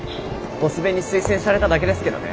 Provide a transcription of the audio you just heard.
ボス弁に推薦されただけですけどね。